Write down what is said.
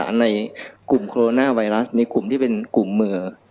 ในกลุ่มโคโรนาไวรัสในกลุ่มที่เป็นกลุ่มมือ